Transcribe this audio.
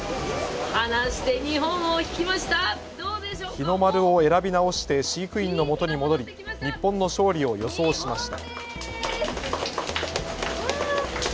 日の丸を選び直して飼育員のもとに戻り日本の勝利を予想しました。